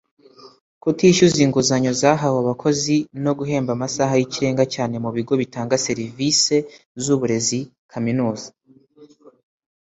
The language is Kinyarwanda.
Kutishyuza inguzanyo zahawe abakozi no guhemba amasaha y’ikirenga cyane mu bigo bitanga service z’uburezi (Kaminuza);